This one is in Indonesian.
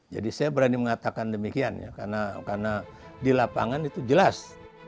jadi saya berani mengatakan demikian ya karena di lapangan itu jelas